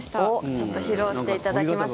ちょっと披露していただきましょう。